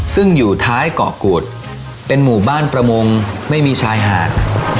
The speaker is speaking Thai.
ซึ่งอยู่ท้ายเกาะกูดเป็นหมู่บ้านประมงไม่มีชายหาด